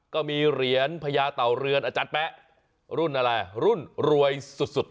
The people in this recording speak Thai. ก็มีเหรียญพญาเต่าเรือนอาจารย์แป๊ะรุ่นอะไรรุ่นรวยสุด